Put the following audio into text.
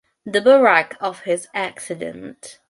The Barrack of his accident.